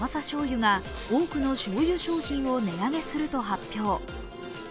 醤油が多くのしょうゆ商品を値上げすると発表。